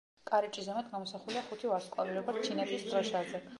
კარიბჭის ზემოთ გამოსახულია ხუთი ვარსკვლავი, როგორც ჩინეთის დროშაზე.